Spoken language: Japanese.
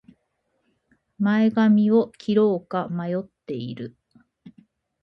前髪を切ろうか迷っている